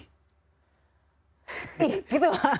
ih gitu lah